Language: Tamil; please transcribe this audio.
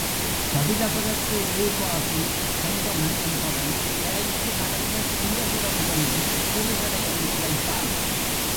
கபிலபுரத்து ஊர்வாசி சங்கமன் என்பவன் பிழைப்பு நடத்தச் சிங்கபுரம் சென்று சிறுகடை ஒன்று வைத்தான்.